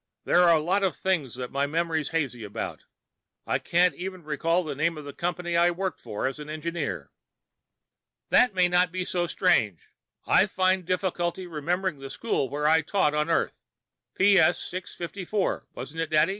There are a lot of things that my memory's hazy about. I can't even recall the name of the company I worked for as an engineer." "That may not be so strange. I find difficulty remembering the school where I taught on Earth. P.S. 654, wasn't it, Dad?"